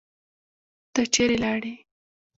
ته چیرې لاړې؟